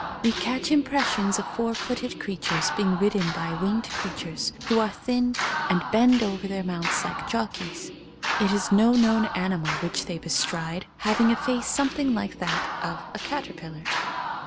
We catch impressions of four footed 119 THE COMING OF THE FAIRIES creatures being ridden by winged figures who are thin and bend over their mounts like jockeys. It is no known animal which they bestride, having a face something like that of a caterpillar.